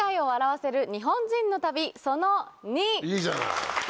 いいじゃない！